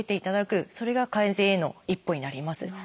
それが改善への一歩になります。